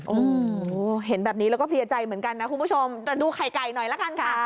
โอ้โหเห็นแบบนี้แล้วก็เพลียใจเหมือนกันนะคุณผู้ชมแต่ดูไข่ไก่หน่อยละกันค่ะ